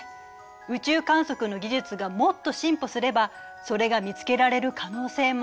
宇宙観測の技術がもっと進歩すればそれが見つけられる可能性もある。